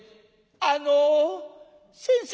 「あの先生」。